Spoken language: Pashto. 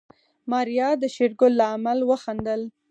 ماريا د شېرګل له عمل وخندل.